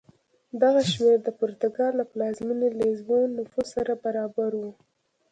دغه شمېر د پرتګال له پلازمېنې لېزبون نفوس سره برابر و.